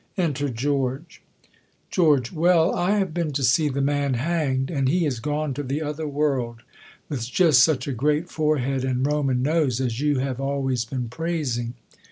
; Enter Georgs. Geor. Well, I have been to see the man hanged. And he is gone to the other world, with just such a great forehead and Roman nose, as you have always een praising.